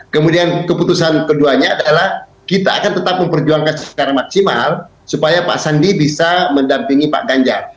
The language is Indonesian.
kemudian keputusan keduanya adalah kita akan tetap memperjuangkan secara maksimal supaya pak sandi bisa mendampingi pak ganjar